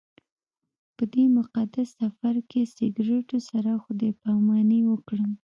په دې مقدس سفر کې سګرټو سره خدای پاماني وکړم.